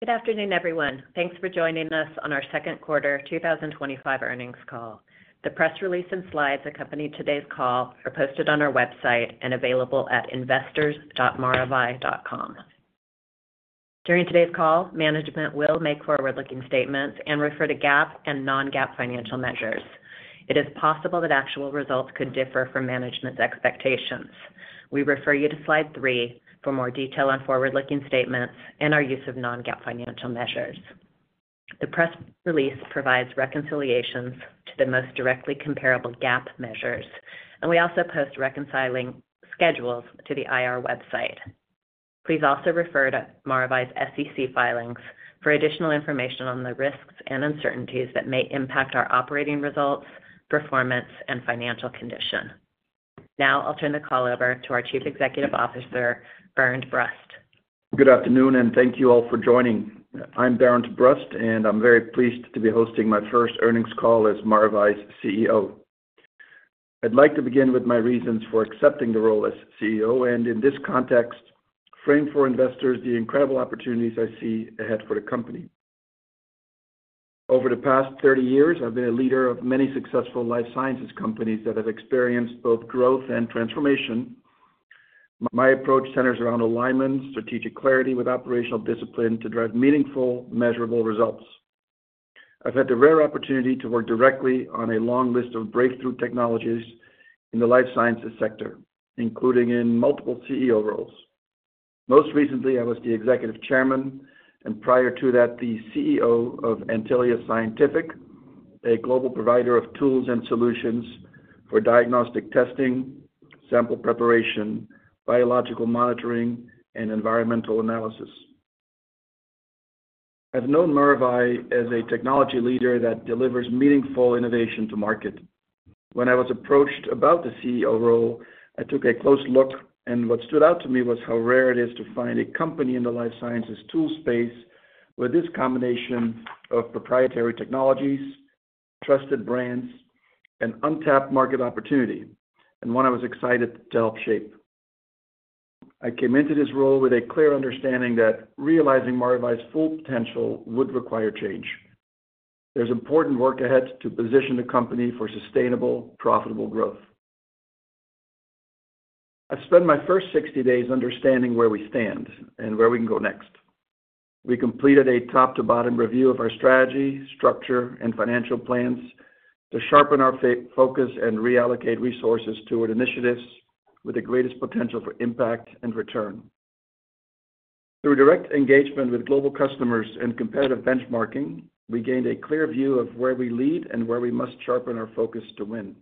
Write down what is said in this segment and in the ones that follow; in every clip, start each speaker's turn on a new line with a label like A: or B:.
A: Good afternoon, everyone. Thanks for joining us on our Second Quarter 2025 Earnings Call. The press release and slides accompanying today's call are posted on our website and available at investors.maravai.com. During today's call, management will make forward-looking statements and refer to GAAP and non-GAAP financial measures. It is possible that actual results could differ from management's expectations. We refer you to slide three for more detail on forward-looking statements and our use of non-GAAP financial measures. The press release provides reconciliations to the most directly comparable GAAP measures, and we also post reconciling schedules to the IR website. Please also refer to Maravai's SEC filings for additional information on the risks and uncertainties that may impact our operating results, performance, and financial condition. Now I'll turn the call over to our Chief Executive Officer, Bernd Brust.
B: Good afternoon, and thank you all for joining. I'm Bernd Brust, and I'm very pleased to be hosting my first earnings call as Maravai's CEO. I'd like to begin with my reasons for accepting the role as CEO, and in this context, frame for investors the incredible opportunities I see ahead for the company. Over the past 30 years, I've been a leader of many successful life sciences companies that have experienced both growth and transformation. My approach centers around alignment, strategic clarity, with operational discipline to drive meaningful, measurable results. I've had the rare opportunity to work directly on a long list of breakthrough technologies in the life sciences sector, including in multiple CEO roles. Most recently, I was the Executive Chairman and prior to that, the CEO of Antylia Scientific, a global provider of tools and solutions for diagnostic testing, sample preparation, biological monitoring, and environmental analysis. I've known Maravai as a technology leader that delivers meaningful innovation to market. When I was approached about the CEO role, I took a close look, and what stood out to me was how rare it is to find a company in the life sciences tool space with this combination of proprietary technologies, trusted brands, and untapped market opportunity. One I was excited to help shape. I came into this role with a clear understanding that realizing Maravai's full potential would require change. There's important work ahead to position the company for sustainable, profitable growth. I spent my first 60 days understanding where we stand and where we can go next. We completed a top-to-bottom review of our strategy, structure, and financial plans to sharpen our focus and reallocate resources toward initiatives with the greatest potential for impact and return. Through direct engagement with global customers and competitive benchmarking, we gained a clear view of where we lead and where we must sharpen our focus to win.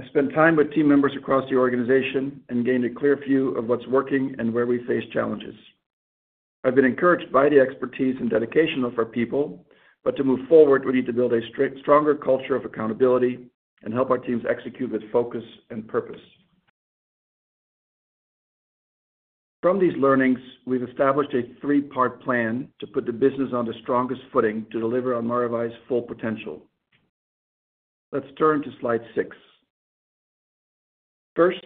B: I spent time with team members across the organization and gained a clear view of what's working and where we face challenges. I've been encouraged by the expertise and dedication of our people, but to move forward, we need to build a stronger culture of accountability and help our teams execute with focus and purpose. From these learnings, we've established a three-part plan to put the business on the strongest footing to deliver on Maravai's full potential. Let's turn to slide six. First,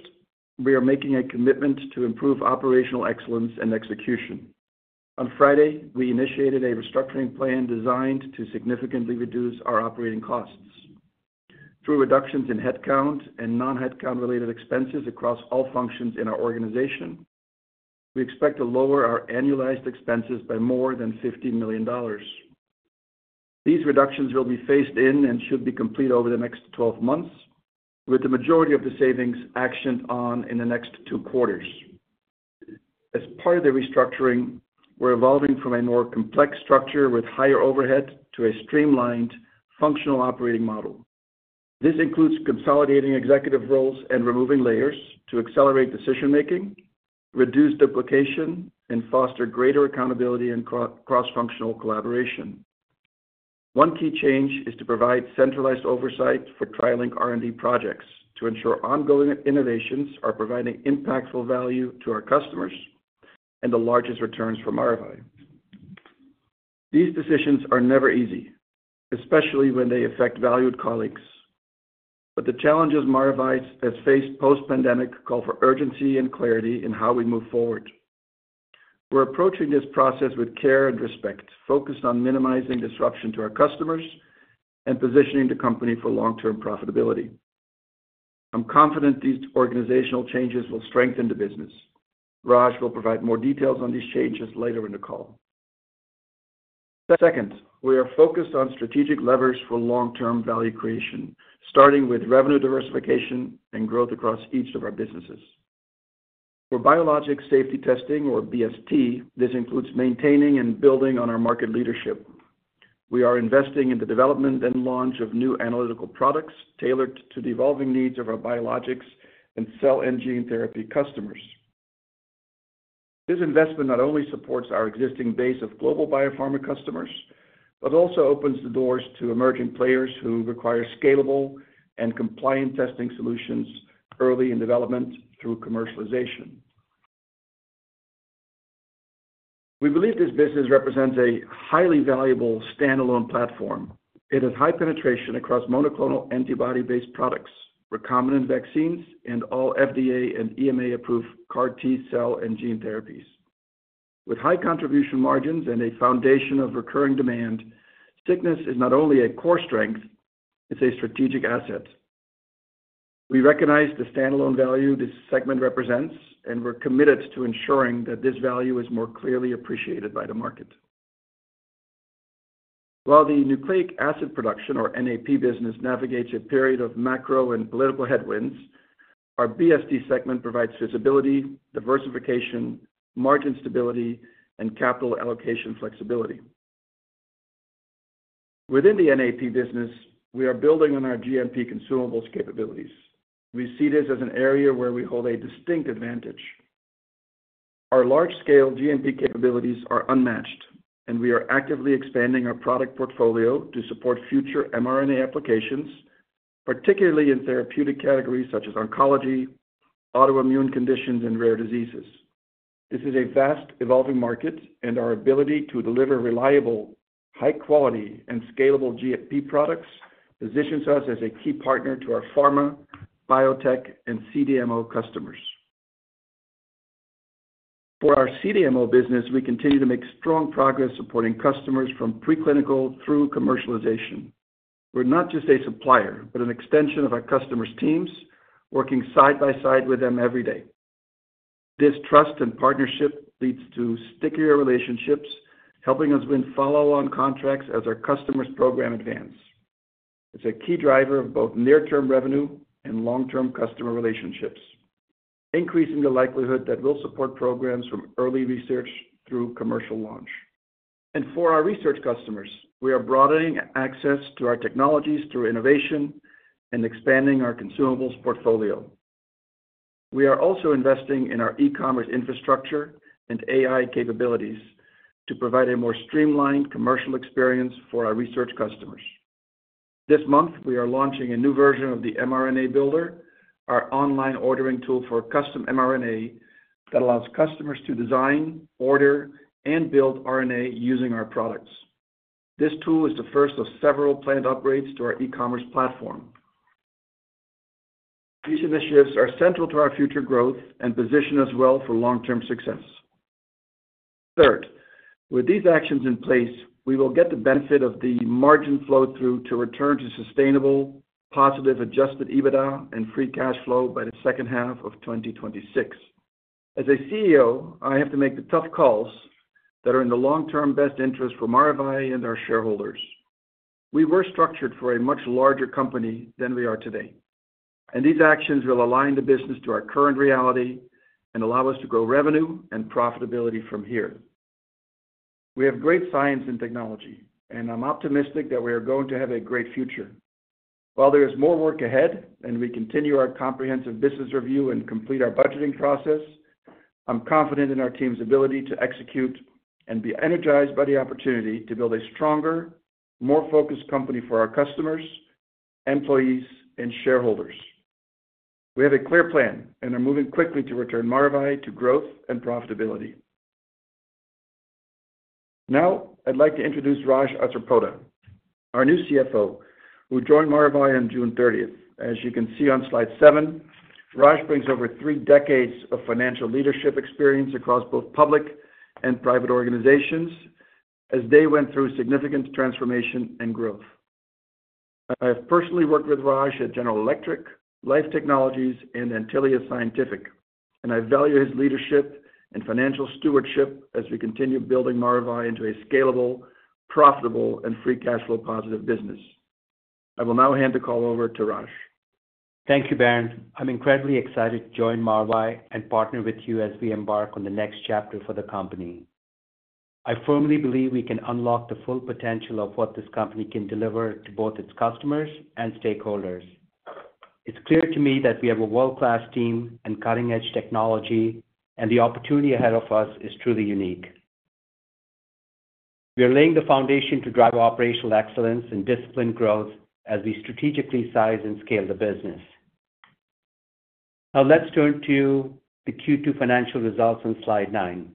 B: we are making a commitment to improve operational excellence and execution. On Friday, we initiated a restructuring plan designed to significantly reduce our operating costs. Through reductions in headcount and non-headcount related expenses across all functions in our organization, we expect to lower our annualized expenses by more than $50 million. These reductions will be phased in and should be complete over the next 12 months, with the majority of the savings actioned on in the next two quarters. As part of the restructuring, we're evolving from a more complex structure with higher overhead to a streamlined functional operating model. This includes consolidating executive roles and removing layers to accelerate decision-making, reduce duplication, and foster greater accountability and cross-functional collaboration. One key change is to provide centralized oversight for trialing R&D projects to ensure ongoing innovations are providing impactful value to our customers and the largest returns from Maravai. These decisions are never easy, especially when they affect valued colleagues. The challenges Maravai has faced post-pandemic call for urgency and clarity in how we move forward. We're approaching this process with care and respect, focused on minimizing disruption to our customers and positioning the company for long-term profitability. I'm confident these organizational changes will strengthen the business. Raj will provide more details on these changes later in the call. Second, we are focused on strategic levers for long-term value creation, starting with revenue diversification and growth across each of our businesses. For Biologics Safety Testing, or BST, this includes maintaining and building on our market leadership. We are investing in the development and launch of new analytical products tailored to the evolving needs of our biologics and cell and gene therapy customers. This investment not only supports our existing base of global biopharma customers, but also opens the doors to emerging players who require scalable and compliant testing solutions early in development through commercialization. We believe this business represents a highly valuable standalone platform. It has high penetration across monoclonal antibody-based products, recombinant vaccines, and all FDA and EMA-approved CAR T cell and gene therapies. With high contribution margins and a foundation of recurring demand, stickiness is not only a core strength, it's a strategic asset. We recognize the standalone value this segment represents, and we're committed to ensuring that this value is more clearly appreciated by the market. While the Nucleic Acid Production, or NAP, business navigates a period of macro and political headwinds, our BST segment provides visibility, diversification, margin stability, and capital allocation flexibility. Within the NAP business, we are building on our GMP consumables capabilities. We see this as an area where we hold a distinct advantage. Our large-scale GMP capabilities are unmatched, and we are actively expanding our product portfolio to support future mRNA applications, particularly in therapeutic categories such as oncology, autoimmune conditions, and rare diseases. This is a vast, evolving market, and our ability to deliver reliable, high-quality, and scalable GMP products positions us as a key partner to our pharma, biotech, and CDMO customers. For our CDMO business, we continue to make strong progress supporting customers from preclinical through commercialization. We're not just a supplier, but an extension of our customers' teams, working side by side with them every day. This trust and partnership leads to stickier relationships, helping us win follow-on contracts as our customers' programs advance. It's a key driver of both near-term revenue and long-term customer relationships, increasing the likelihood that we'll support programs from early research through commercial launch. For our research customers, we are broadening access to our technologies through innovation and expanding our consumables portfolio. We are also investing in our e-commerce infrastructure and AI capabilities to provide a more streamlined commercial experience for our research customers. This month, we are launching a new version of the mRNA Builder, our online ordering tool for custom mRNA that allows customers to design, order, and build RNA using our products. This tool is the first of several planned upgrades to our e-commerce platform. These initiatives are central to our future growth and position us well for long-term success. With these actions in place, we will get the benefit of the margin flow-through to return to sustainable, positive adjusted EBITDA and free cash flow by the second half of 2026. As a CEO, I have to make the tough calls that are in the long-term best interest for Maravai and our shareholders. We were structured for a much larger company than we are today, and these actions will align the business to our current reality and allow us to grow revenue and profitability from here. We have great science and technology, and I'm optimistic that we are going to have a great future. While there is more work ahead and we continue our comprehensive business review and complete our budgeting process, I'm confident in our team's ability to execute and be energized by the opportunity to build a stronger, more focused company for our customers, employees, and shareholders. We have a clear plan and are moving quickly to return Maravai to growth and profitability. Now, I'd like to introduce Raj Asarpota, our new CFO, who joined Maravai on June 30th. As you can see on slide seven, Raj brings over three decades of financial leadership experience across both public and private organizations as they went through significant transformation and growth. I've personally worked with Raj at General Electric, Life Technologies, and Antylia Scientific, and I value his leadership and financial stewardship as we continue building Maravai into a scalable, profitable, and free cash flow positive business. I will now hand the call over to Raj.
C: Thank you, Bernd. I'm incredibly excited to join Maravai and partner with you as we embark on the next chapter for the company. I firmly believe we can unlock the full potential of what this company can deliver to both its customers and stakeholders. It's clear to me that we have a world-class team and cutting-edge technology, and the opportunity ahead of us is truly unique. We are laying the foundation to drive operational excellence and disciplined growth as we strategically size and scale the business. Now, let's turn to the Q2 financial results on slide nine.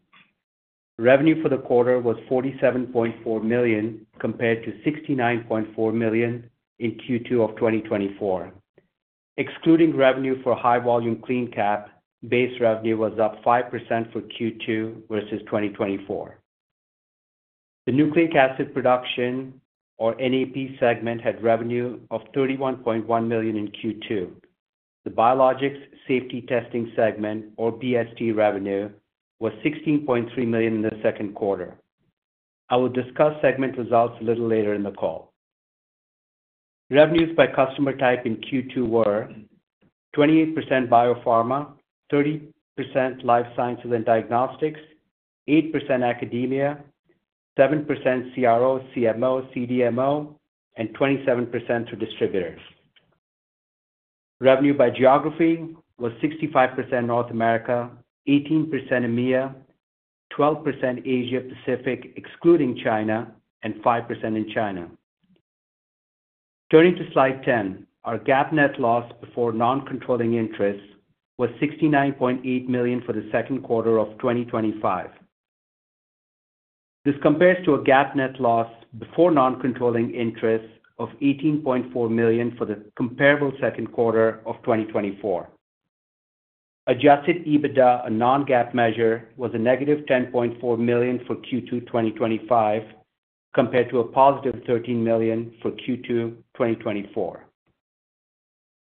C: Revenue for the quarter was $47.4 million compared to $69.4 million in Q2 of 2024. Excluding revenue for high-volume CleanCap, base revenue was up 5% for Q2 versus 2024. The Nucleic Acid Production, or NAP, segment had revenue of $31.1 million in Q2. The Biologics Safety Testing segment, or BST, revenue was $16.3 million in the second quarter. I will discuss segment results a little later in the call. Revenues by customer type in Q2 were 28% biopharma, 30% life sciences and diagnostics, 8% academia, 7% CRO, CMO, CDMO, and 27% for distributors. Revenue by geography was 65% North America, 18% EMEA, 12% Asia Pacific, excluding China, and 5% in China. Turning to slide 10, our GAAP net loss before non-controlling interests was $69.8 million for the second quarter of 2025. This compares to a GAAP net loss before non-controlling interests of $18.4 million for the comparable second quarter of 2024. Adjusted EBITDA, a non-GAAP measure, was a -$10.4 million for Q2 2025 compared to a +$13 million for Q2 2024.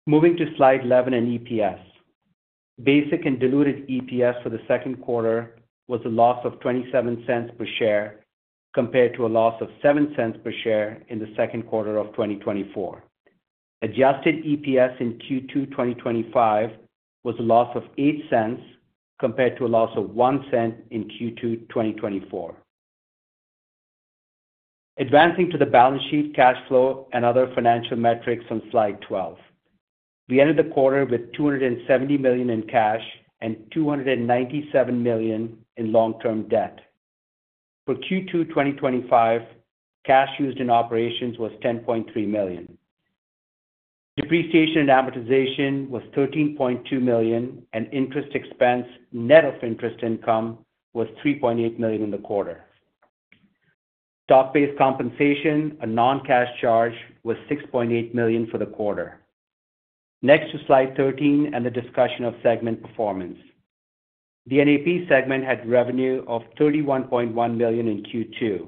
C: Moving to slide 11 and EPS. Basic and diluted EPS for the second quarter was a loss of $0.27 per share compared to a loss of $0.07 per share in the second quarter of 2024. Adjusted EPS in Q2 2025 was a loss of $0.08 compared to a loss of $0.01 in Q2 2024. Advancing to the balance sheet, cash flow, and other financial metrics on slide 12. We ended the quarter with $270 million in cash and $297 million in long-term debt. For Q2 2025, cash used in operations was $10.3 million. Depreciation and amortization was $13.2 million, and interest expense net of interest income was $3.8 million in the quarter. Stock-based compensation, a non-cash charge, was $6.8 million for the quarter. Next to slide 13 and the discussion of segment performance. The NAP segment had revenue of $31.1 million in Q2.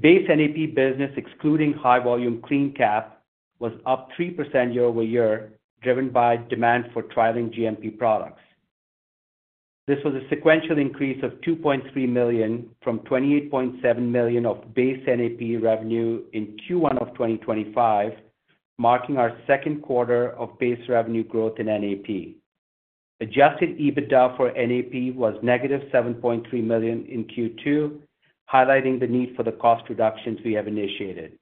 C: Base NAP business, excluding high-volume CleanCap, was up 3% year over year, driven by demand for trialing GMP products. This was a sequential increase of $2.3 million from $28.7 million of base NAP revenue in Q1 of 2025, marking our second quarter of base revenue growth in NAP. Adjusted EBITDA for NAP was -$7.3 million in Q2, highlighting the need for the cost reductions we have initiated.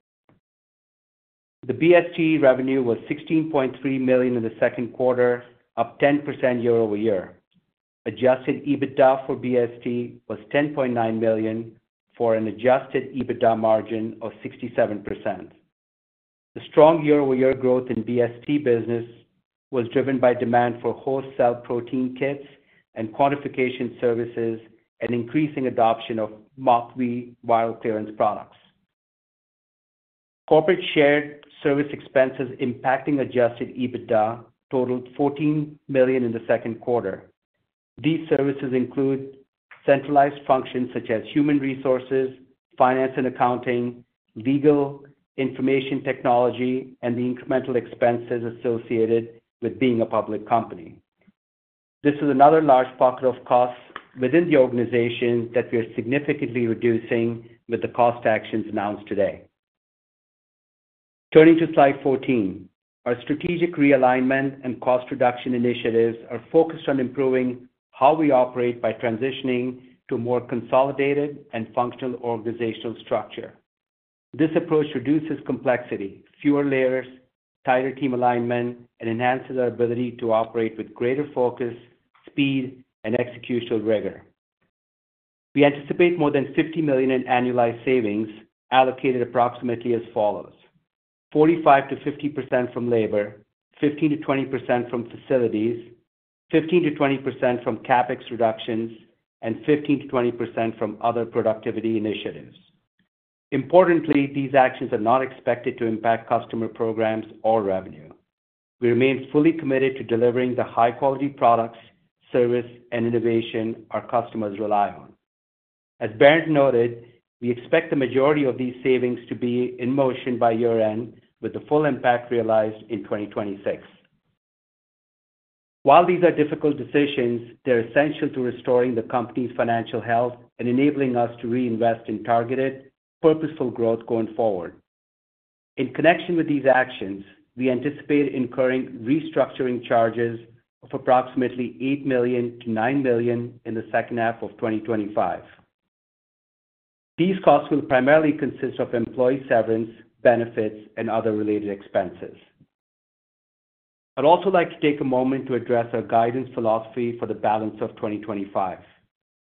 C: The BST revenue was $16.3 million in the second quarter, up 10% year over year. Adjusted EBITDA for BST was $10.9 million for an adjusted EBITDA margin of 67%. The strong year-over-year growth in BST business was driven by demand for wholesale protein kits and quantification services and increasing adoption of MAKV wild clearance products. Corporate shared service expenses impacting adjusted EBITDA totaled $14 million in the second quarter. These services include centralized functions such as Human Resources, Finance and Accounting, Legal, Information Technology, and the incremental expenses associated with being a public company. This is another large pocket of costs within the organization that we are significantly reducing with the cost actions announced today. Turning to slide 14, our strategic realignment and cost reduction initiatives are focused on improving how we operate by transitioning to a more consolidated and functional organizational structure. This approach reduces complexity, fewer layers, tighter team alignment, and enhances our ability to operate with greater focus, speed, and executional rigor. We anticipate more than $50 million in annualized savings allocated approximately as follows: 45%-50% from labor, 15%-20% from facilities, 15%-20% from CapEx reductions, and 15%-20% from other productivity initiatives. Importantly, these actions are not expected to impact customer programs or revenue. We remain fully committed to delivering the high-quality products, service, and innovation our customers rely on. As Bernd noted, we expect the majority of these savings to be in motion by year-end, with the full impact realized in 2026. While these are difficult decisions, they're essential to restoring the company's financial health and enabling us to reinvest in targeted, purposeful growth going forward. In connection with these actions, we anticipate incurring restructuring charges of approximately $8 million-$9 million in the second half of 2025. These costs will primarily consist of employee severance, benefits, and other related expenses. I'd also like to take a moment to address our guidance philosophy for the balance of 2025.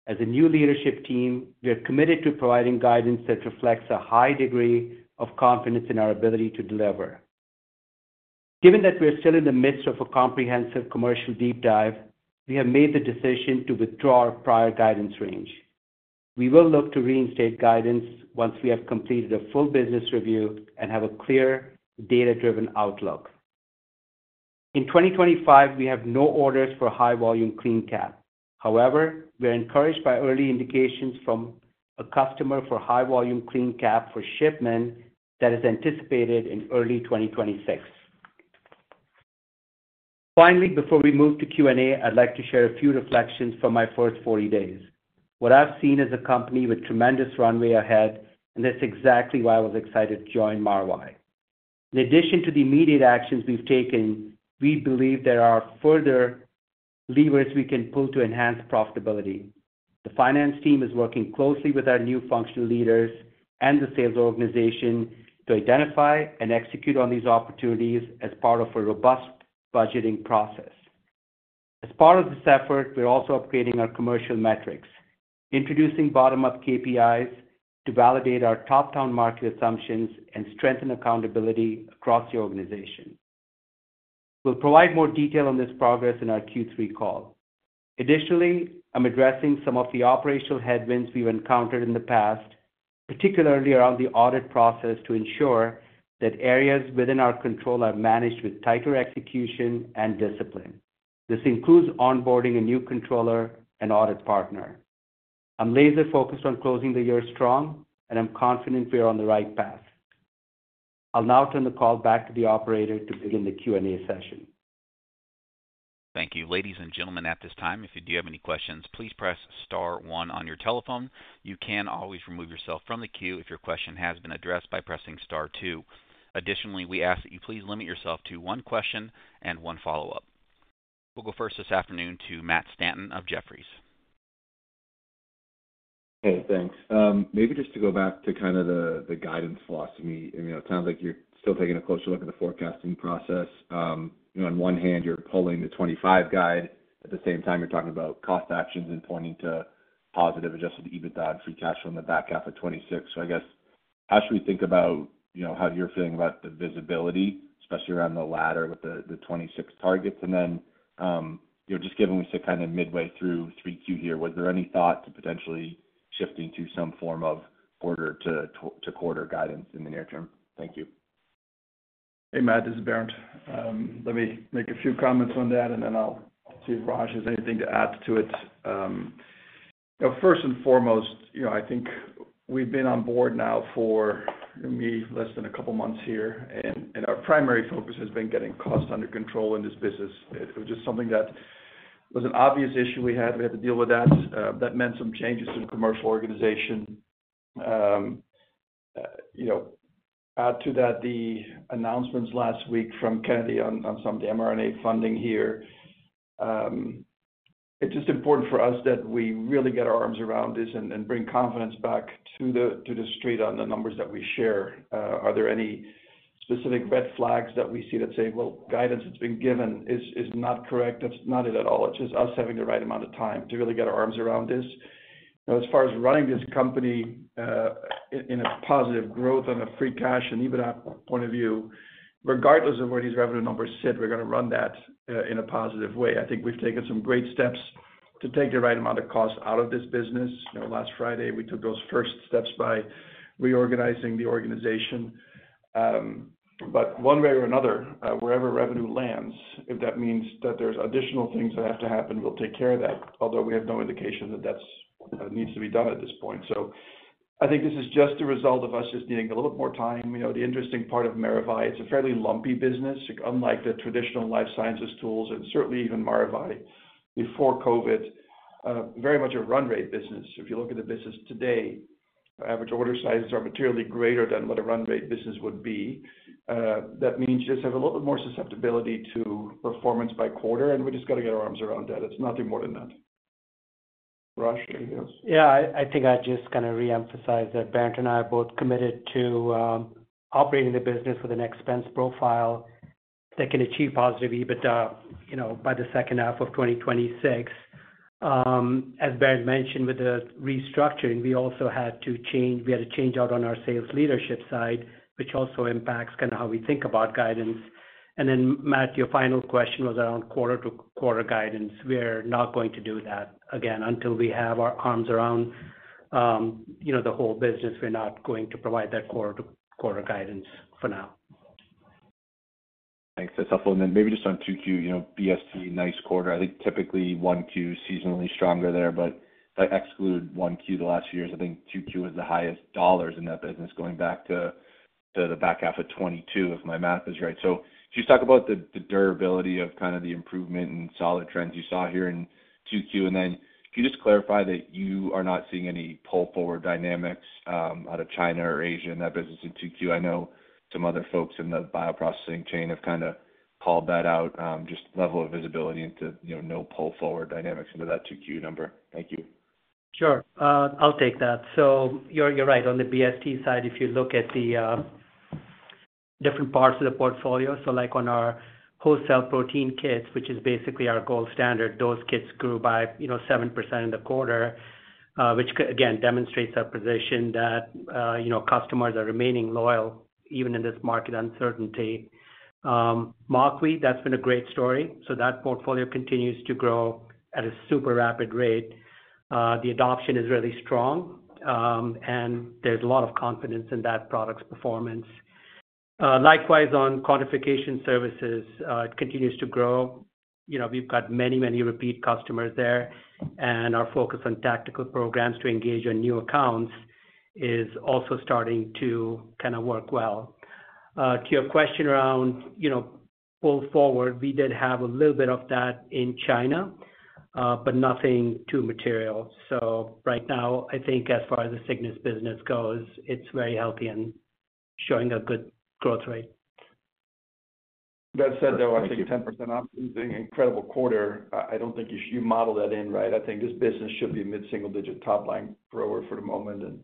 C: As a new leadership team, we are committed to providing guidance that reflects a high degree of confidence in our ability to deliver. Given that we are still in the midst of a comprehensive commercial deep dive, we have made the decision to withdraw our prior guidance range. We will look to reinstate guidance once we have completed a full business review and have a clear, data-driven outlook. In 2025, we have no orders for high-volume CleanCap. However, we are encouraged by early indications from a customer for high-volume CleanCap for shipment that is anticipated in early 2026. Finally, before we move to Q&A, I'd like to share a few reflections from my first 40 days. What I've seen is a company with tremendous runway ahead, and that's exactly why I was excited to join Maravai. In addition to the immediate actions we've taken, we believe there are further levers we can pull to enhance profitability. The finance team is working closely with our new functional leaders and the sales organization to identify and execute on these opportunities as part of a robust budgeting process. As part of this effort, we're also upgrading our commercial metrics, introducing bottom-up KPIs to validate our top-down market assumptions and strengthen accountability across the organization. We'll provide more detail on this progress in our Q3 call. Additionally, I'm addressing some of the operational headwinds we've encountered in the past, particularly around the audit process to ensure that areas within our control are managed with tighter execution and discipline. This includes onboarding a new controller and audit partner. I'm laser-focused on closing the year strong, and I'm confident we are on the right path. I'll now turn the call back to the operator to begin the Q&A session.
D: Thank you. Ladies and gentlemen, at this time, if you do have any questions, please press star one on your telephone. You can always remove yourself from the queue if your question has been addressed by pressing star two. Additionally, we ask that you please limit yourself to one question and one follow-up. We'll go first this afternoon to Matt Stanton of Jefferies.
E: Hey, thanks. Maybe just to go back to kind of the guidance philosophy, it sounds like you're still taking a closer look at the forecasting process. On one hand, you're pulling the 2025 guide. At the same time, you're talking about cost actions and pointing to positive adjusted EBITDA and free cash flow in the back half of 2026. I guess, how should we think about how you're feeling about the visibility, especially around the latter with the 2026 targets? Just given we sit kind of midway through Q3 here, was there any thought to potentially shifting to some form of quarter-to-quarter guidance in the near term? Thank you.
B: Hey, Matt, this is Bernd. Let me make a few comments on that, and then I'll see if Raj has anything to add to it. First and foremost, I think we've been on board now, for me, less than a couple of months here, and our primary focus has been getting cost under control in this business. It was just something that was an obvious issue we had. We had to deal with that. That meant some changes to the commercial organization. Add to that the announcements last week from Kennedy on some of the mRNA funding here. It's just important for us that we really get our arms around this and bring confidence back to the street on the numbers that we share. Are there any specific red flags that we see that say, guidance that's been given is not correct? That's not it at all. It's just us having the right amount of time to really get our arms around this. Now, as far as running this company in a positive growth on a free cash and EBITDA point of view, regardless of where these revenue numbers sit, we're going to run that in a positive way. I think we've taken some great steps to take the right amount of cost out of this business. Last Friday, we took those first steps by reorganizing the organization. One way or another, wherever revenue lands, if that means that there's additional things that have to happen, we'll take care of that. Although we have no indication that that needs to be done at this point. I think this is just a result of us just needing a little bit more time. The interesting part of Maravai, it's a fairly lumpy business, unlike the traditional life sciences tools and certainly even Maravai before COVID. Very much a run-rate business. If you look at the business today, average order sizes are materially greater than what a run-rate business would be. That means you just have a little bit more susceptibility to performance by quarter, and we just got to get our arms around that. It's nothing more than that. Raj, anything else?
C: Yeah, I think I just kind of reemphasized that Bernd and I are both committed to operating the business with an expense profile that can achieve positive EBITDA by the second half of 2026. As Bernd mentioned, with the restructuring, we also had to change out on our sales leadership side, which also impacts how we think about guidance. Matt, your final question was around quarter-to-quarter guidance. We're not going to do that again until we have our arms around the whole business. We're not going to provide that quarter-to-quarter guidance for now.
E: Thanks, that's helpful. Maybe just on 2Q, you know, BST, nice quarter. I think typically 1Q is seasonally stronger there, but if you exclude 1Q the last few years, I think 2Q was the highest dollars in that business going back to the back half of 2022, if my math is right. If you just talk about the durability of kind of the improvement and solid trends you saw here in 2Q, can you just clarify that you are not seeing any pull-forward dynamics out of China or Asia in that business in 2Q? I know some other folks in the bioprocessing chain have kind of called that out, just level of visibility and to, you know, no pull-forward dynamics into that 2Q number. Thank you.
C: Sure. I'll take that. You're right. On the BST side, if you look at the different parts of the portfolio, like on our wholesale protein kits, which is basically our gold standard, those kits grew by 7% in the quarter, which again demonstrates our position that customers are remaining loyal even in this market uncertainty. MAKV, that's been a great story. That portfolio continues to grow at a super rapid rate. The adoption is really strong, and there's a lot of confidence in that product's performance. Likewise, on quantification services, it continues to grow. We've got many, many repeat customers there, and our focus on tactical programs to engage on new accounts is also starting to work well. To your question around pull forward, we did have a little bit of that in China, but nothing too material. Right now, I think as far as the sickness business goes, it's very healthy and showing a good growth rate.
B: That said, though, I think 10% up is an incredible quarter. I don't think you model that in right. I think this business should be a mid-single-digit top-line grower for the moment, and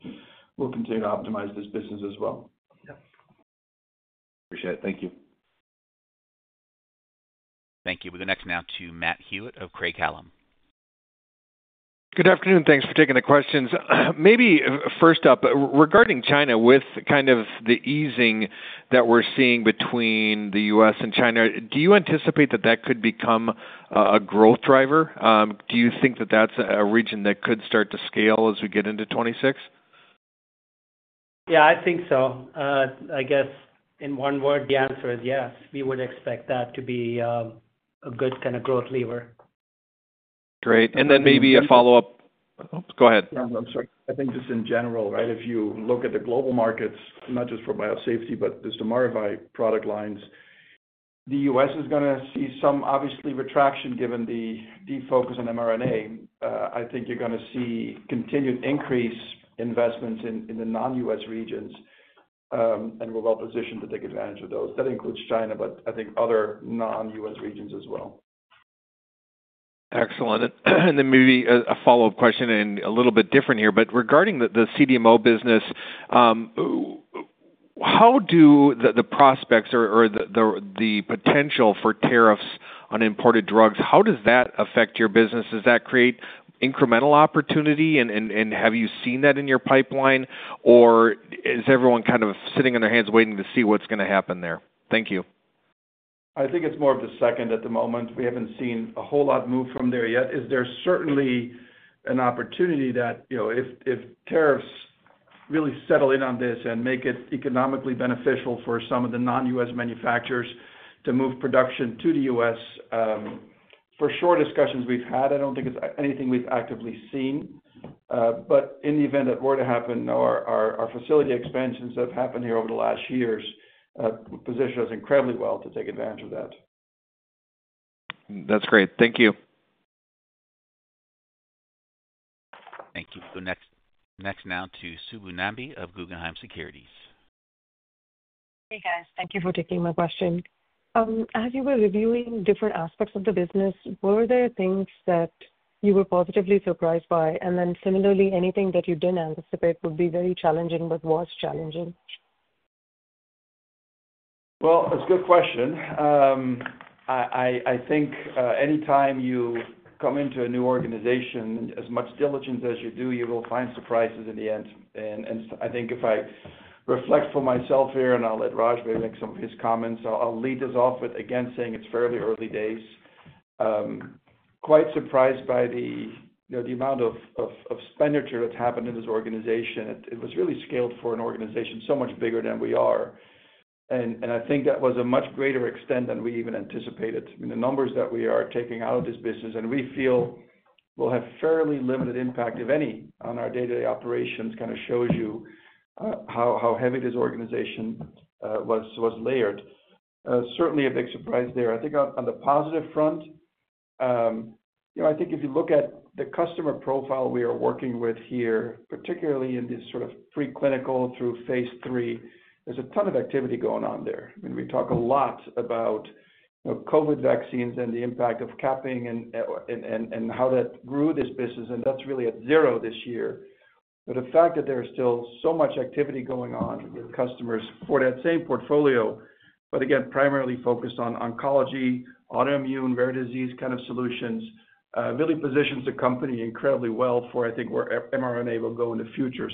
B: we'll continue to optimize this business as well.
E: Yeah, appreciate it. Thank you.
D: Thank you. We'll go next now to Matthew of Craig-Hallum.
F: Good afternoon. Thanks for taking the questions. Maybe first up, regarding China, with kind of the easing that we're seeing between the U.S. and China, do you anticipate that that could become a growth driver? Do you think that that's a region that could start to scale as we get into 2026?
C: Yeah, I think so. I guess in one word, the answer is yes. We would expect that to be a good kind of growth lever.
F: Great. Maybe a follow-up. Oh, go ahead.
B: I think just in general, right, if you look at the global markets, not just for biosafety, but just the Maravai product lines, the U.S. is going to see some obviously retraction given the deep focus on mRNA. I think you're going to see continued increase in investments in the non-U.S. regions, and we'll all position to take advantage of those. That includes China, but I think other non-U.S. regions as well.
F: Excellent. Maybe a follow-up question, a little bit different here, but regarding the CDMO business, how do the prospects or the potential for tariffs on imported drugs, how does that affect your business? Does that create incremental opportunity, and have you seen that in your pipeline, or is everyone kind of sitting on their hands waiting to see what's going to happen there? Thank you.
B: I think it's more of the second at the moment. We haven't seen a whole lot move from there yet. There's certainly an opportunity that, you know, if tariffs really settle in on this and make it economically beneficial for some of the non-U.S. manufacturers to move production to the U.S., for short discussions we've had, I don't think it's anything we've actively seen. In the event that were to happen, our facility expansions that have happened here over the last years position us incredibly well to take advantage of that.
F: That's great. Thank you.
D: Thank you. Next, to Subbu Nambi of Guggenheim Securities.
G: Hey, guys. Thank you for taking my question. As you were reviewing different aspects of the business, were there things that you were positively surprised by, and then similarly, anything that you didn't anticipate would be very challenging but was challenging?
B: It's a good question. I think anytime you come into a new organization, as much diligence as you do, you will find surprises in the end. I think if I reflect for myself here, and I'll let Raj maybe make some of his comments, I'll lead this off with, again, saying it's fairly early days. Quite surprised by the amount of spenditure that's happened in this organization. It was really scaled for an organization so much bigger than we are. I think that was a much greater extent than we even anticipated. I mean, the numbers that we are taking out of this business, and we feel will have fairly limited impact, if any, on our day-to-day operations, kind of shows you how heavy this organization was layered. Certainly a big surprise there. I think on the positive front, if you look at the customer profile we are working with here, particularly in this sort of preclinical through phase three, there's a ton of activity going on there. We talk a lot about COVID vaccines and the impact of capping and how that grew this business, and that's really at zero this year. The fact that there's still so much activity going on, customers for that same portfolio, but again, primarily focused on oncology, autoimmune, rare disease kind of solutions, really positions the company incredibly well for, I think, where mRNA will go in the future.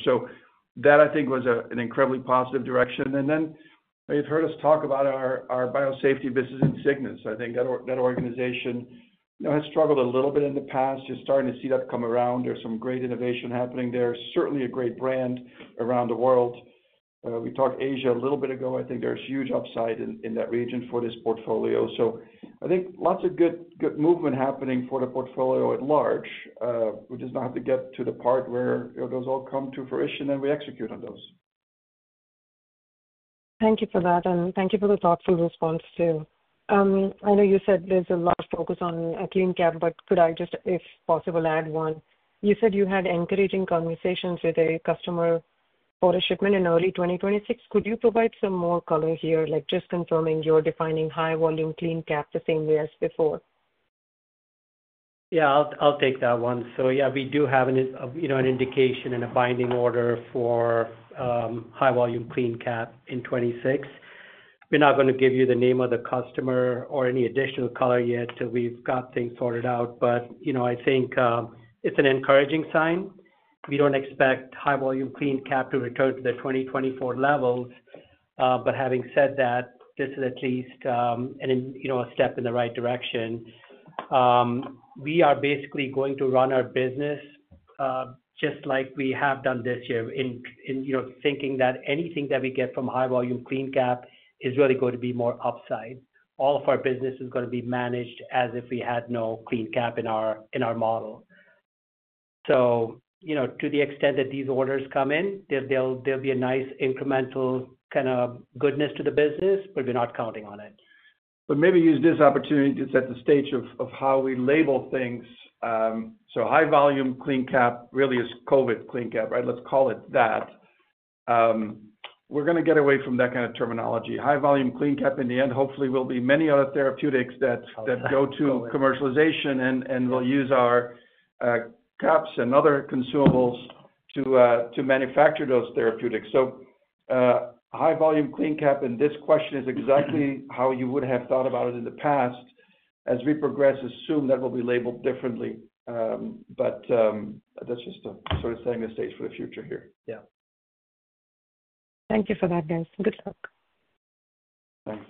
B: That, I think, was an incredibly positive direction. You've heard us talk about our biosafety business at Cignas. I think that organization has struggled a little bit in the past. You're starting to see that come around. There's some great innovation happening there. Certainly a great brand around the world. We talked Asia a little bit ago. I think there's huge upside in that region for this portfolio. I think lots of good movement happening for the portfolio at large. We just now have to get to the part where those all come to fruition and we execute on those.
G: Thank you for that, and thank you for the thoughtful response too. I know you said there's a lot of focus on CleanCap, but could I just, if possible, add one? You said you had encouraging conversations with a customer for a shipment in early 2026. Could you provide some more color here, like just confirming you're defining high-volume CleanCap the same way as before?
C: Yeah, I'll take that one. We do have an indication and a binding order for high-volume CleanCap in 2026. We're not going to give you the name of the customer or any additional color yet until we've got things sorted out. I think it's an encouraging sign. We don't expect high-volume CleanCap to return to the 2024 level. Having said that, this is at least a step in the right direction. We are basically going to run our business just like we have done this year, thinking that anything we get from high-volume CleanCap is really going to be more upside. All of our business is going to be managed as if we had no CleanCap in our model. To the extent that these orders come in, there'll be a nice incremental kind of goodness to the business, but we're not counting on it.
B: Maybe use this opportunity to set the stage of how we label things. High-volume CleanCap really is COVID CleanCap, right? Let's call it that. We are going to get away from that kind of terminology. High-volume CleanCap in the end hopefully will be many other therapeutics that go to commercialization and will use our caps and other consumables to manufacture those therapeutics. High-volume CleanCap in this question is exactly how you would have thought about it in the past. As we progress, assume that will be labeled differently. That is just sort of setting the stage for the future here. Yeah.
G: Thank you for that, guys. Good luck.
B: Thanks.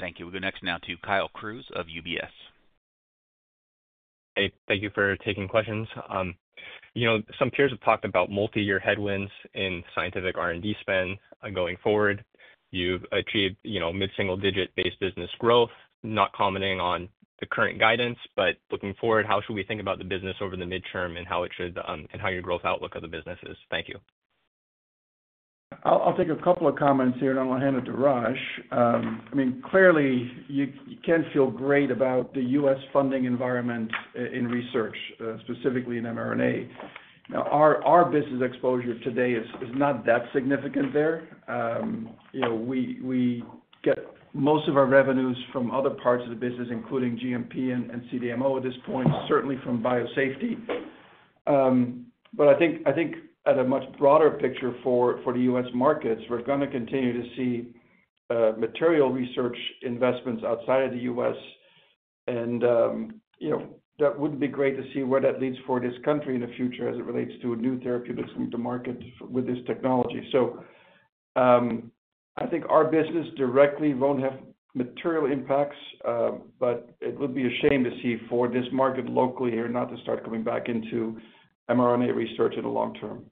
D: Thank you. We'll go next now to Kyle Crews of UBS.
H: Thank you for taking questions. Some peers have talked about multi-year headwinds in scientific R&D spend going forward. You've achieved mid-single-digit base business growth. Not commenting on the current guidance, but looking forward, how should we think about the business over the midterm and how your growth outlook of the business is? Thank you.
B: I'll take a couple of comments here, and I'll hand it to Raj. Clearly, you can feel great about the U.S. funding environment in research, specifically in mRNA. Now, our business exposure today is not that significant there. We get most of our revenues from other parts of the business, including GMP and CDMO at this point, certainly from biosafety. I think at a much broader picture for the U.S. markets, we're going to continue to see material research investments outside of the U.S., and that would be great to see where that leads for this country in the future as it relates to new therapeutics into market with this technology. I think our business directly won't have material impacts, but it would be a shame to see for this market locally here not to start coming back into mRNA research in the long term.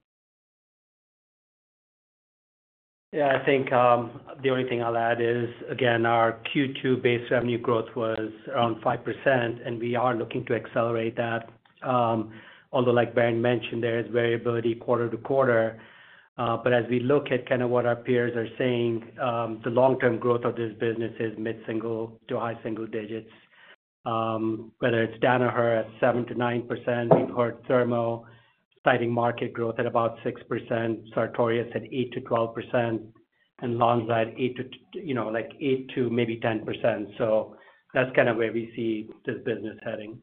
C: Yeah, I think the only thing I'll add is, again, our Q2 base revenue growth was around 5%, and we are looking to accelerate that. Although, like Bernd mentioned, there is variability quarter to quarter. As we look at kind of what our peers are saying, the long-term growth of this business is mid-single to high single digits. Whether it's Danaher at 7%-9%, we've heard Thermo citing market growth at about 6%, Sartorius at 8%-12%, and Lonza at 8% to, you know, like 8% to maybe 10%. That's kind of where we see this business heading.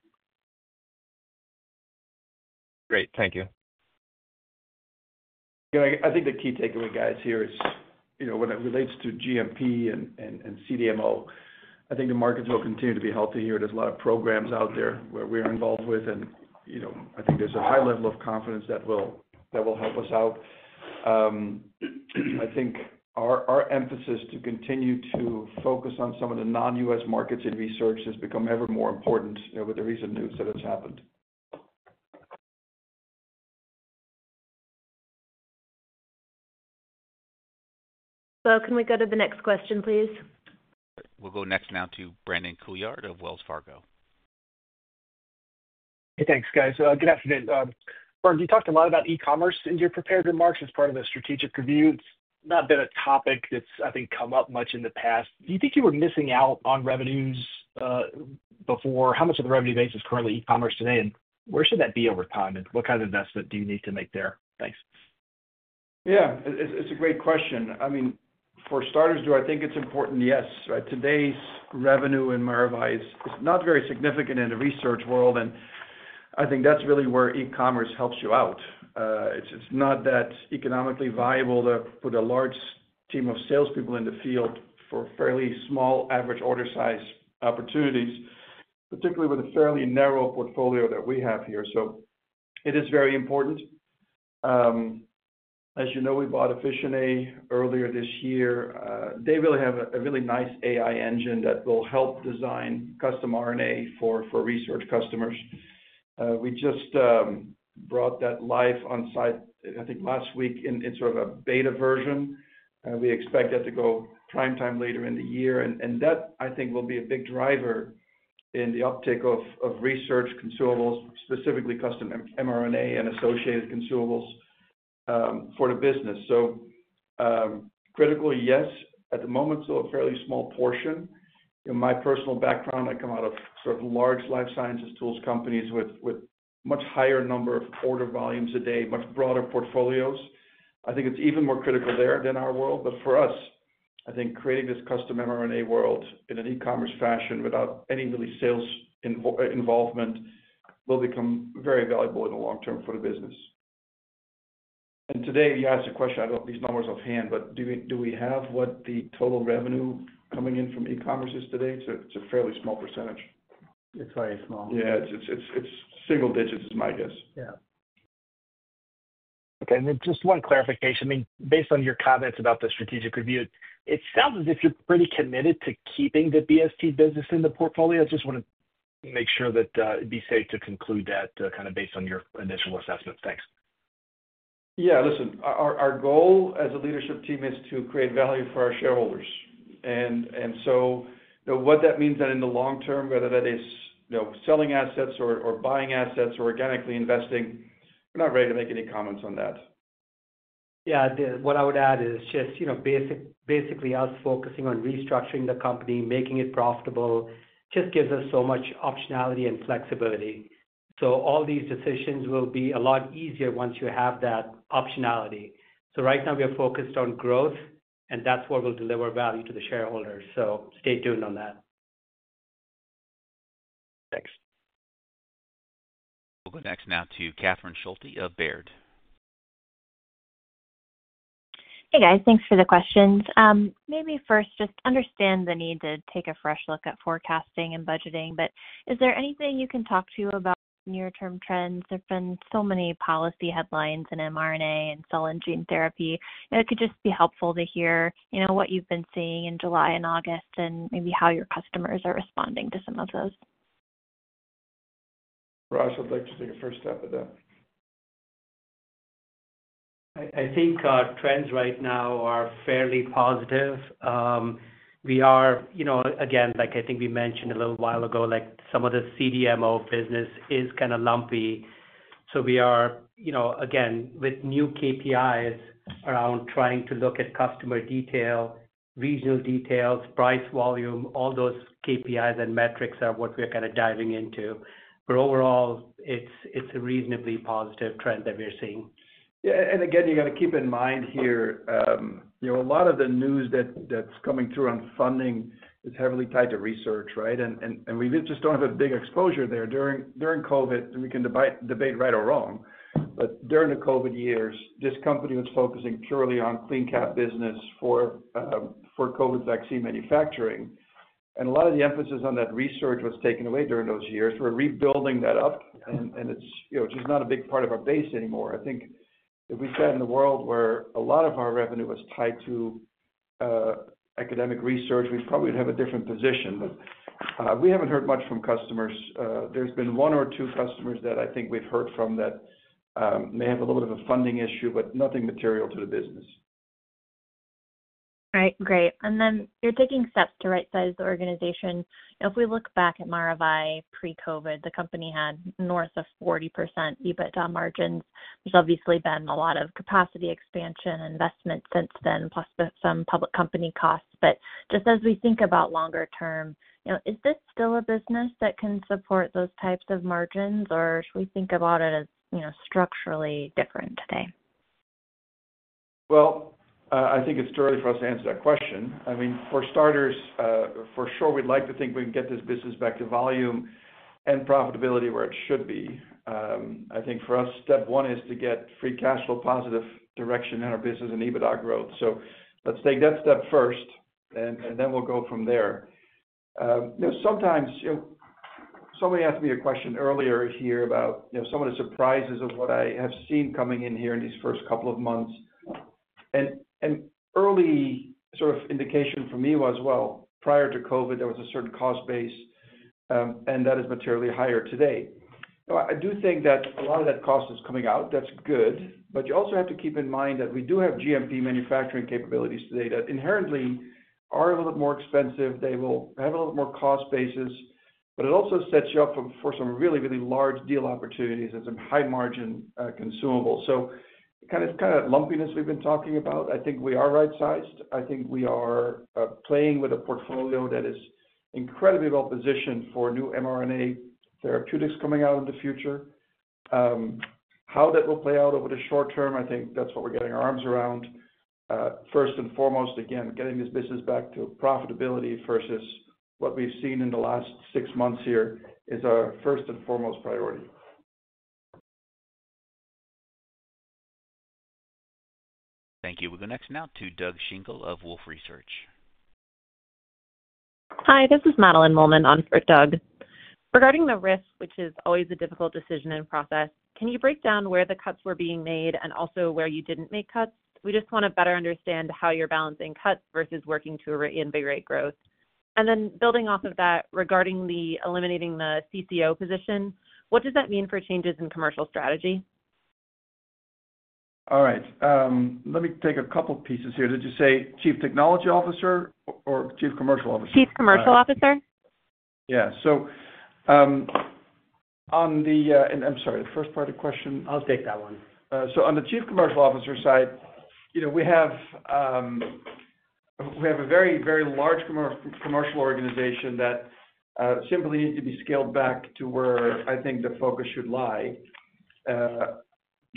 H: Great. Thank you.
B: Yeah, I think the key takeaway here is, you know, when it relates to GMP and CDMO, I think the markets will continue to be healthy here. There's a lot of programs out there where we're involved with, and I think there's a high level of confidence that will help us out. I think our emphasis to continue to focus on some of the non-U.S. markets in research has become ever more important with the recent news that has happened.
A: Can we go to the next question, please?
D: We'll go next now to Brandon Couillard of Wells Fargo.
I: Hey, thanks, guys. Good afternoon. Bernd, you talked a lot about e-commerce in your prepared remarks as part of a strategic review. It's not been a topic that's, I think, come up much in the past. Do you think you were missing out on revenues before? How much of the revenue base is currently e-commerce today, and where should that be over time, and what kind of investment do you need to make there? Thanks.
B: Yeah, it's a great question. I mean, for starters, do I think it's important? Yes, right? Today's revenue in Maravai is not very significant in the research world, and I think that's really where e-commerce helps you out. It's not that economically viable to put a large team of salespeople in the field for fairly small average order size opportunities, particularly with a fairly narrow portfolio that we have here. It is very important. As you know, we bought EfficientA earlier this year. They really have a really nice AI engine that will help design custom RNA for research customers. We just brought that live on site, I think, last week in sort of a beta version. We expect that to go primetime later in the year, and that, I think, will be a big driver in the uptake of research consumables, specifically custom mRNA and associated consumables for the business. Critical, yes. At the moment, still a fairly small portion. In my personal background, I come out of sort of large life sciences tools companies with a much higher number of order volumes a day, much broader portfolios. I think it's even more critical there than our world. For us, I think creating this custom mRNA world in an e-commerce fashion without any really sales involvement will become very valuable in the long term for the business. Today, you asked a question. I don't have these numbers offhand, but do we have what the total revenue coming in from e-commerce is today? It's a fairly small percentage.
C: It's very small.
B: Yeah, it's single digits, is my guess.
I: Okay. Just one clarification. Based on your comments about the strategic review, it sounds as if you're pretty committed to keeping the BST business in the portfolio. I just want to make sure that it'd be safe to conclude that based on your initial assessments. Thanks.
B: Yeah, listen, our goal as a leadership team is to create value for our shareholders. What that means in the long term, whether that is selling assets or buying assets or organically investing, we're not ready to make any comments on that.
C: What I would add is just, you know, basically us focusing on restructuring the company, making it profitable, just gives us so much optionality and flexibility. All these decisions will be a lot easier once you have that optionality. Right now, we are focused on growth, and that's what will deliver value to the shareholders. Stay tuned on that.
I: Thanks.
D: We'll go next now to Catherine Schulte of Baird.
J: Hey, guys, thanks for the questions. Maybe first, just understand the need to take a fresh look at forecasting and budgeting. Is there anything you can talk to about near-term trends? There have been so many policy headlines in mRNA and cell and gene therapy. It could just be helpful to hear what you've been seeing in July and August and maybe how your customers are responding to some of those.
B: Raj, I'd like to take a first step at that.
C: I think trends right now are fairly positive. We are, like I think we mentioned a little while ago, some of the CDMO business is kind of lumpy. We are, with new KPIs around trying to look at customer detail, regional details, price volume, all those KPIs and metrics are what we're kind of diving into. Overall, it's a reasonably positive trend that we're seeing.
B: Yeah, and again, you got to keep in mind here, you know, a lot of the news that's coming through on funding is heavily tied to research, right? We just don't have a big exposure there. During COVID, and we can debate right or wrong, but during the COVID years, this company was focusing purely on CleanCap business for COVID vaccine manufacturing. A lot of the emphasis on that research was taken away during those years. We're rebuilding that up, and it's just not a big part of our base anymore. I think if we sat in a world where a lot of our revenue was tied to academic research, we probably would have a different position. We haven't heard much from customers. There's been one or two customers that I think we've heard from that may have a little bit of a funding issue, but nothing material to the business.
J: Right, great. You're taking steps to right-size the organization. If we look back at Maravai pre-COVID, the company had north of 40% EBITDA margins. There's obviously been a lot of capacity expansion and investment since then, plus some public company costs. Just as we think about longer term, is this still a business that can support those types of margins, or should we think about it as structurally different today?
B: I think it's too early for us to answer that question. For starters, for sure, we'd like to think we can get this business back to volume and profitability where it should be. I think for us, step one is to get free cash flow positive direction in our business and EBITDA growth. Let's take that step first, and then we'll go from there. Somebody asked me a question earlier here about some of the surprises of what I have seen coming in here in these first couple of months. An early sort of indication for me was, prior to COVID, there was a certain cost base, and that is materially higher today. I do think that a lot of that cost is coming out. That's good. You also have to keep in mind that we do have GMP manufacturing capabilities today that inherently are a little bit more expensive. They will have a little bit more cost basis, but it also sets you up for some really, really large deal opportunities and some high margin consumables. That kind of lumpiness we've been talking about. I think we are right-sized. I think we are playing with a portfolio that is incredibly well positioned for new mRNA therapeutics coming out in the future. How that will play out over the short term, I think that's what we're getting our arms around. First and foremost, again, getting this business back to profitability versus what we've seen in the last six months here is our first and foremost priority.
D: Thank you. We'll go next now to Doug Schenkel of Wolfe Research.
K: Hi, this is Madeline Mollman on for Doug. Regarding the risk, which is always a difficult decision and process, can you break down where the cuts were being made and also where you didn't make cuts? We just want to better understand how you're balancing cuts versus working to reinvigorate growth. Regarding eliminating the CCO position, what does that mean for changes in commercial strategy?
B: All right. Let me take a couple of pieces here. Did you say Chief Technology Officer or Chief Commercial Officer?
K: Chief Commercial Officer.
B: Yeah, on the, I'm sorry, the first part of the question.
C: I'll take that one.
B: On the Chief Commercial Officer side, we have a very, very large commercial organization that simply needs to be scaled back to where I think the focus should lie.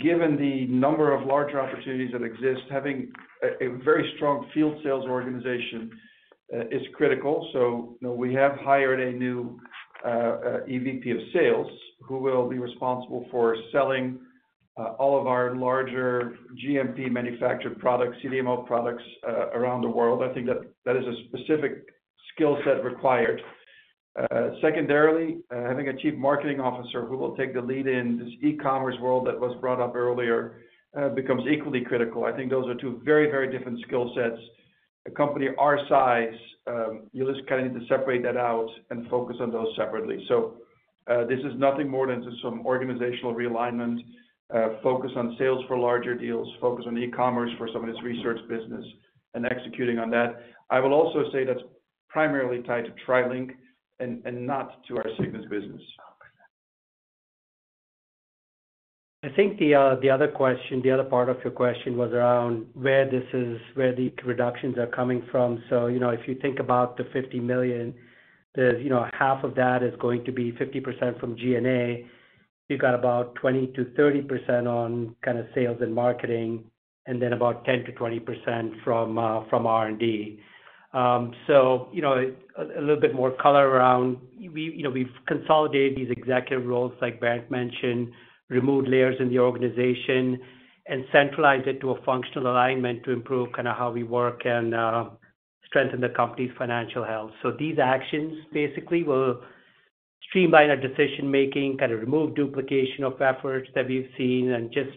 B: Given the number of larger opportunities that exist, having a very strong field sales organization is critical. We have hired a new EVP of Sales who will be responsible for selling all of our larger GMP manufactured products, CDMO products around the world. I think that is a specific skill set required. Secondarily, having a Chief Marketing Officer who will take the lead in this e-commerce world that was brought up earlier becomes equally critical. I think those are two very, very different skill sets. A company our size, you just kind of need to separate that out and focus on those separately. This is nothing more than just some organizational realignment, focus on sales for larger deals, focus on e-commerce for some of this research business, and executing on that. I will also say that's primarily tied to TriLink and not to our Cignas business.
C: I think the other question, the other part of your question was around where this is, where the reductions are coming from. If you think about the $50 million, half of that is going to be 50% from G&A. You've got about 20%-30% on kind of sales and marketing, and then about 10%-20% from R&D. A little bit more color around, we've consolidated these executive roles, like Bernd mentioned, removed layers in the organization, and centralized it to a functional alignment to improve kind of how we work and strengthen the company's financial health. These actions basically will streamline our decision-making, remove duplication of efforts that we've seen, and just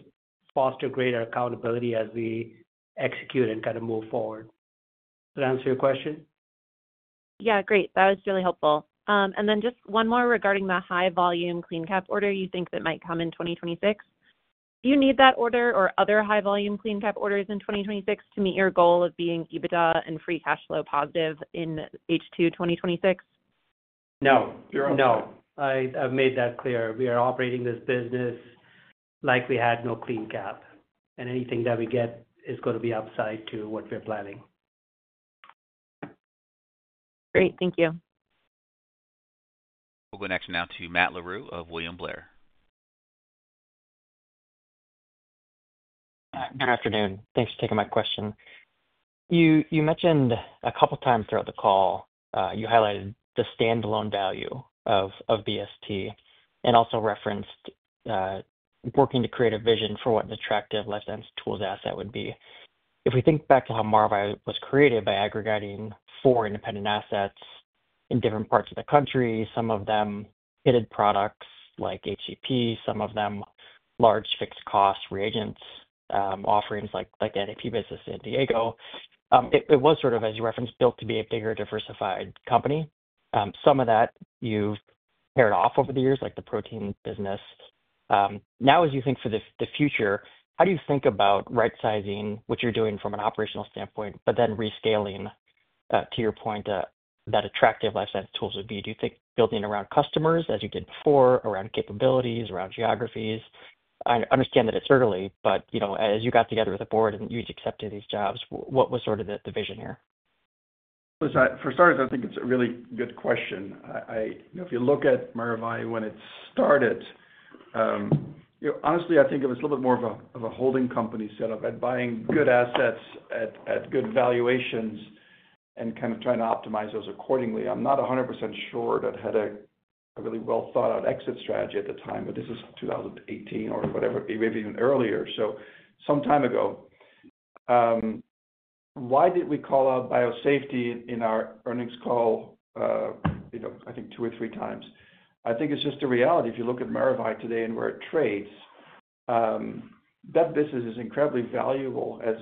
C: foster greater accountability as we execute and kind of move forward. Does that answer your question?
K: Yeah, great. That was really helpful. Just one more regarding the high-volume CleanCap order you think that might come in 2026. Do you need that order or other high-volume CleanCap orders in 2026 to meet your goal of being EBITDA and free cash flow positive in H2 2026?
C: No, no. I've made that clear. We are operating this business like we had no CleanCap, and anything that we get is going to be upside to what we're planning.
K: Great. Thank you.
D: We'll go next now to Matt Larew of William Blair.
L: Good afternoon. Thanks for taking my question. You mentioned a couple of times throughout the call, you highlighted the standalone value of BST and also referenced working to create a vision for what an attractive life science tools asset would be. If we think back to how Maravai was created by aggregating four independent assets in different parts of the country, some of them pitted products like HCP, some of them large fixed cost reagents offerings like the NAP business in Diego. It was, as you referenced, built to be a bigger, diversified company. Some of that you've pared off over the years, like the protein business. Now, as you think for the future, how do you think about right-sizing what you're doing from an operational standpoint, but then rescaling to your point that attractive life science tools would be? Do you think building around customers, as you did before, around capabilities, around geographies? I understand that it's early, but as you got together with the board and you accepted these jobs, what was the vision here?
B: For starters, I think it's a really good question. If you look at Maravai when it started, honestly, I think it was a little bit more of a holding company setup and buying good assets at good valuations and kind of trying to optimize those accordingly. I'm not 100% sure that it had a really well-thought-out exit strategy at the time, but this is 2018 or whatever, maybe even earlier. Some time ago. Why did we call out biosafety in our earnings call? I think two or three times. I think it's just a reality. If you look at Maravai today and where it trades, that business is incredibly valuable as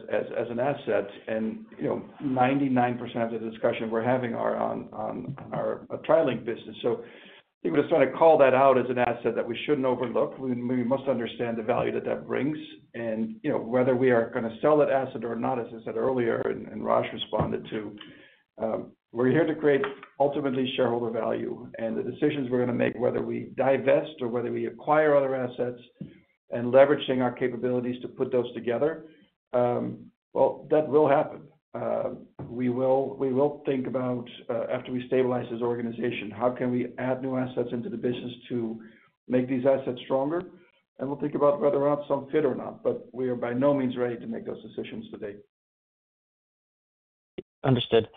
B: an asset. You know, 99% of the discussion we're having is on our Trilink business. I think we're just trying to call that out as an asset that we shouldn't overlook. We must understand the value that that brings. Whether we are going to sell that asset or not, as I said earlier, and Raj responded to, we're here to create ultimately shareholder value. The decisions we're going to make, whether we divest or whether we acquire other assets and leveraging our capabilities to put those together, that will happen. We will think about, after we stabilize this organization, how can we add new assets into the business to make these assets stronger? We'll think about whether or not some fit or not. We are by no means ready to make those decisions today.
L: Understood.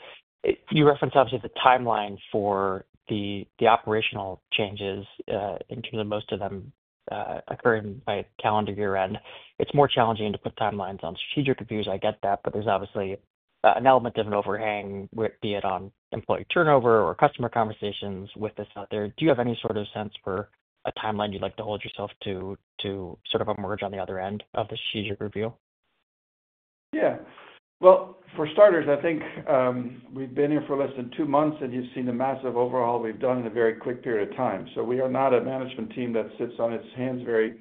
L: You referenced obviously the timeline for the operational changes in terms of most of them occurring by calendar year end. It's more challenging to put timelines on strategic reviews. I get that, but there's obviously an element of an overhang, be it on employee turnover or customer conversations with this out there. Do you have any sort of sense for a timeline you'd like to hold yourself to, to sort of emerge on the other end of the strategic review?
B: For starters, I think we've been here for less than two months, and you've seen the massive overhaul we've done in a very quick period of time. We are not a management team that sits on its hands very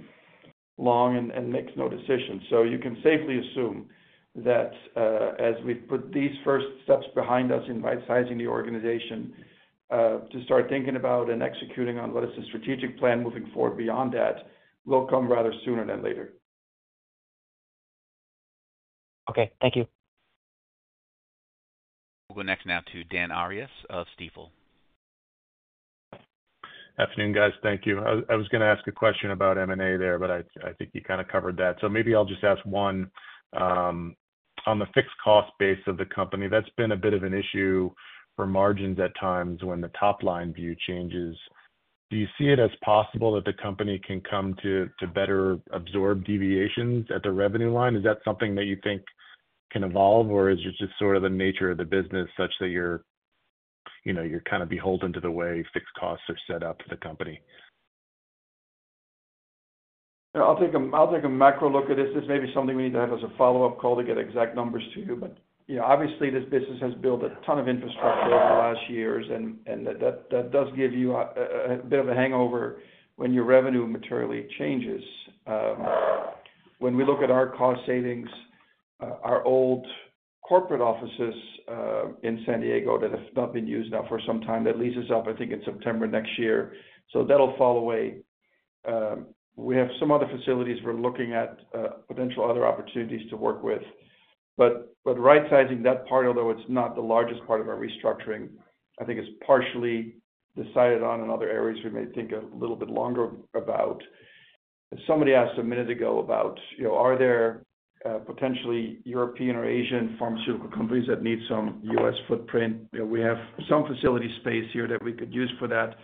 B: long and makes no decisions. You can safely assume that as we put these first steps behind us in right-sizing the organization to start thinking about and executing on what is the strategic plan moving forward beyond that will come rather sooner than later.
L: Okay, thank you.
D: We'll go next now to Dan Arias of Stifel.
M: Afternoon, guys. Thank you. I was going to ask a question about M&A there, but I think you kind of covered that. Maybe I'll just ask one. On the fixed cost base of the company, that's been a bit of an issue for margins at times when the top line view changes. Do you see it as possible that the company can come to better absorb deviations at the revenue line? Is that something that you think can evolve, or is it just sort of the nature of the business such that you're kind of beholden to the way fixed costs are set up for the company?
B: I'll take a macro look at this. This may be something we need to have as a follow-up call to get exact numbers to you. Obviously, this business has built a ton of infrastructure over the last years, and that does give you a bit of a hangover when your revenue materially changes. When we look at our cost savings, our old corporate offices in San Diego that have not been used now for some time, that lease is up, I think, in September next year. That will fall away. We have some other facilities we're looking at, potential other opportunities to work with. Right-sizing that part, although it's not the largest part of our restructuring, I think it's partially decided on. In other areas we may think a little bit longer about. Somebody asked a minute ago about, you know, are there potentially European or Asian pharmaceutical companies that need some U.S. footprint? We have some facility space here that we could use for that.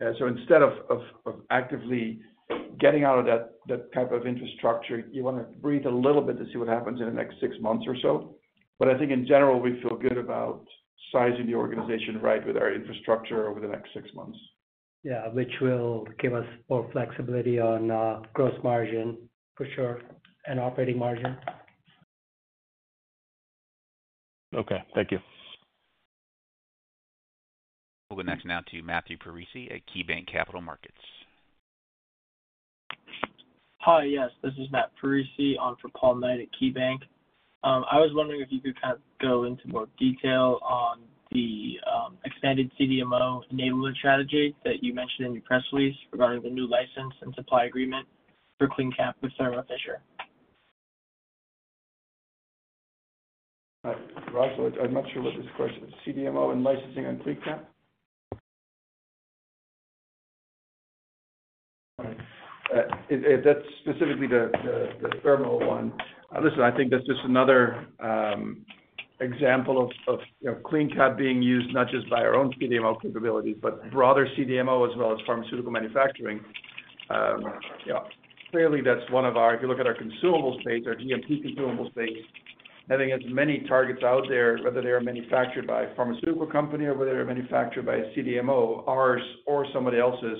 B: Instead of actively getting out of that type of infrastructure, you want to breathe a little bit to see what happens in the next six months or so. I think in general, we feel good about sizing the organization right with our infrastructure over the next six months.
C: Yeah, which will give us more flexibility on gross margin, for sure, and operating margin.
M: Okay, thank you.
D: We'll go next now to Matthew Parisi at KeyBanc Capital Markets.
N: Hi. Yes, this is Matt Parisi on for Paul Knight at KeyBanc. I was wondering if you could kind of go into more detail on the expanded CDMO enablement strategy that you mentioned in your press release regarding the new license and supply agreement for CleanCap with Thermo Fisher.
B: Right. I'm not sure what this question is, CDMO and licensing and CleanCap? That's specifically the Thermo one. Listen, I think that's just another example of CleanCap being used not just by our own CDMO capabilities, but broader CDMO as well as pharmaceutical manufacturing. Clearly, that's one of our, if you look at our consumables space, our GMP consumables space, I think it has many targets out there, whether they are manufactured by a pharmaceutical company or whether they're manufactured by a CDMO, ours or somebody else's.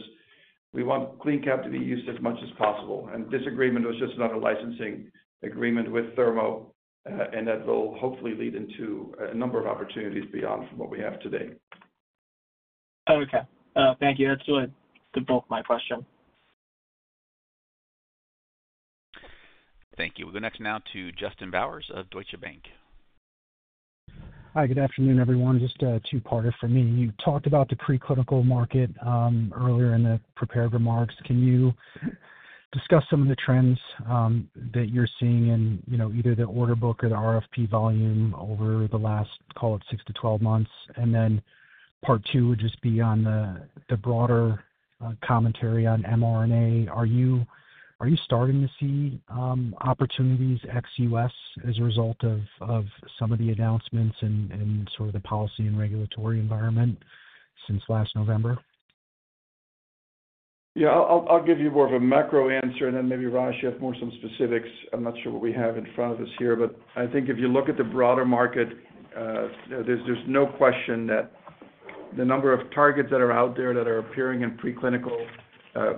B: We want CleanCap to be used as much as possible. This agreement was just not a licensing agreement with Thermo, and that will hopefully lead into a number of opportunities beyond from what we have today.
N: Okay. Thank you. That's really the bulk of my question.
D: Thank you. We'll go next now to Justin Bowers of Deutsche Bank.
O: Hi. Good afternoon, everyone. Just two-parter for me. You talked about the preclinical market earlier in the prepared remarks. Can you discuss some of the trends that you're seeing in either the order book or the RFP volume over the last, call it, 6-12 months? Part two would just be on the broader commentary on mRNA. Are you starting to see opportunities ex-U.S. as a result of some of the announcements and sort of the policy and regulatory environment since last November?
B: Yeah, I'll give you more of a macro answer, and then maybe Raj, you have more specifics. I'm not sure what we have in front of us here, but I think if you look at the broader market, there's no question that the number of targets that are out there that are appearing in preclinical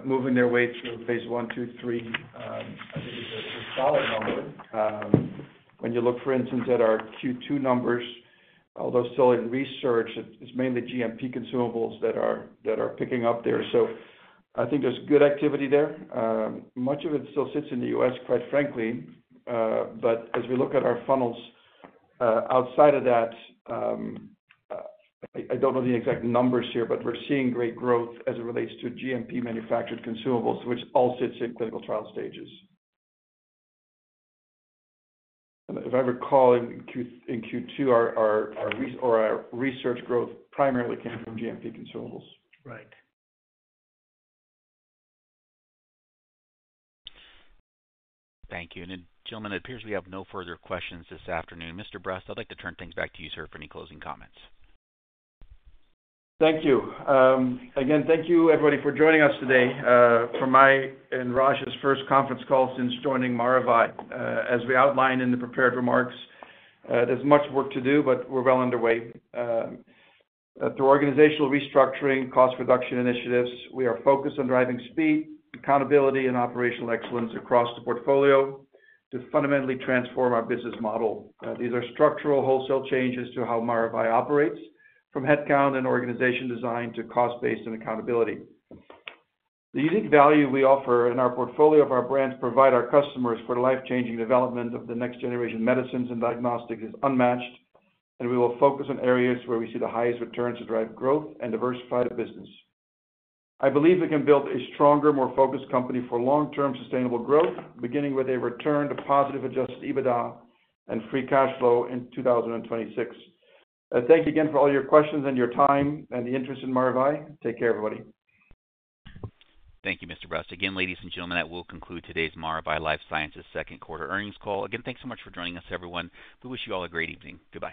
B: moving their way through phase one, two, three, I think it's a solid number. When you look, for instance, at our Q2 numbers, although still in research, it's mainly GMP consumables that are picking up there. I think there's good activity there. Much of it still sits in the U.S., quite frankly. As we look at our funnels outside of that, I don't know the exact numbers here, but we're seeing great growth as it relates to GMP manufactured consumables, which all sits in clinical trial stages. If I recall, in Q2, our research growth primarily came from GMP consumables.
O: Right.
D: Thank you. Gentlemen, it appears we have no further questions this afternoon. Mr. Brust, I'd like to turn things back to you, sir, for any closing comments.
B: Thank you. Again, thank you, everybody, for joining us today. For my and Raj's first conference call since joining Maravai, as we outlined in the prepared remarks, there's much work to do, but we're well underway. Through organizational restructuring and cost reduction initiatives, we are focused on driving speed, accountability, and operational excellence across the portfolio to fundamentally transform our business model. These are structural wholesale changes to how Maravai operates, from headcount and organization design to cost-based and accountability. The unique value we offer in our portfolio of our brands provides our customers for the life-changing development of the next generation medicines and diagnostics is unmatched, and we will focus on areas where we see the highest returns to drive growth and diversify the business. I believe we can build a stronger, more focused company for long-term sustainable growth, beginning with a return to positive adjusted EBITDA and free cash flow in 2026. Thank you again for all your questions and your time and the interest in Maravai. Take care, everybody.
D: Thank you, Mr. Brust. Again, ladies and gentlemen, that will conclude today's Maravai LifeSciences second quarter earnings call. Again, thanks so much for joining us, everyone. We wish you all a great evening. Goodbye.